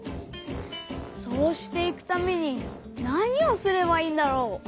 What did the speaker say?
そうしていくためになにをすればいいんだろう？